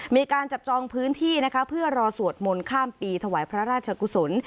มีการจับจองพื้นที่นะคะเพื่อรอสวดมนต์ข้ามปีถวายพระราชกุศล